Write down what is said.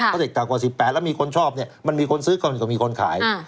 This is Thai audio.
เพราะเด็กต่ำกว่า๑๘แล้วมีคนชอบเนี่ยมันมีคนซื้อก็มีคนขาย